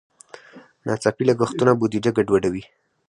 ناڅاپي لګښتونه بودیجه ګډوډوي.